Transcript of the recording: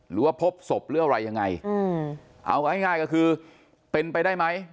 พบศพหรืออะไรยังไงเอาง่ายก็คือเป็นไปได้ไหม